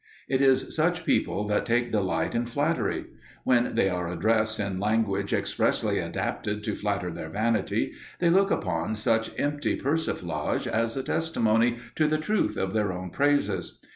It is such people that take delight in flattery. When they are addressed in language expressly adapted to flatter their vanity, they look upon such empty persiflage as a testimony to the truth of their own praises.